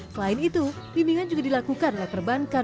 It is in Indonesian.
selain itu bimbingan juga dilakukan oleh perbankan